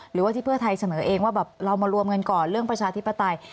หรือว่าที่เพื่อไทยเสนอเองว่าแบบเรามารวมกันก่อนเรื่องประชาธิปไตย